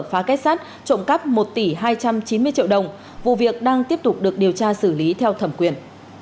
phá kết sát trộm cắp một tỷ hai trăm chín mươi triệu đồng vụ việc đang tiếp tục được điều tra xử lý theo thẩm quyền